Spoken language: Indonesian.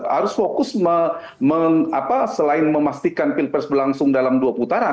harus fokus selain memastikan pilpres berlangsung dalam dua putaran